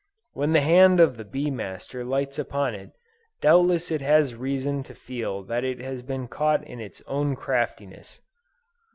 When the hand of the bee master lights upon it, doubtless it has reason to feel that it has been caught in its own craftiness.